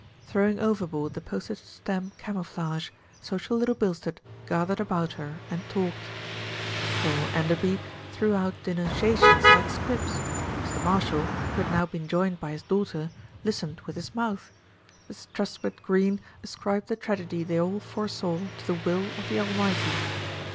Throwing overboard the postage stamp camouflage, social Little Bilstead gathered about her and talked. Colonel Enderby threw out denunciations like squibs, Mr. Marshall, who had now been joined by his daughter, listened with his mouth, Mrs. Truspitt Greene ascribed the tragedy they all foresaw to the will of the Almighty.